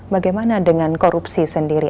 bagaimana dengan korupsi sendiri